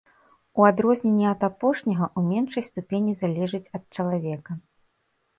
У адрозненне ад апошняга, у меншай ступені залежыць ад чалавека.